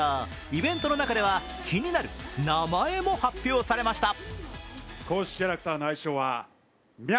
イベントの中では気になる名前も発表されました。